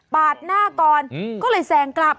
หน้าก่อนก็เลยแซงกลับ